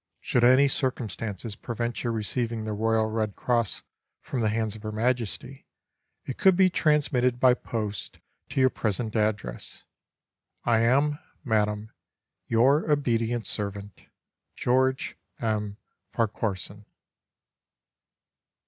Should any circumstances prevent your receiving the Royal Red Cross from the hands of Her Majesty it could be transmitted by post to your present address. I am, madam, your obedient servant, GEORGE M. FARQUHARSON.